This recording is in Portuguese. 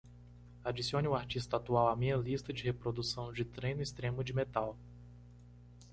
Adicione o artista atual à minha lista de reprodução de treino extremo de metal